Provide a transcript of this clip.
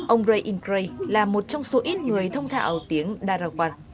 ông ray ingray là một trong số ít người thông thạo tiếng daraq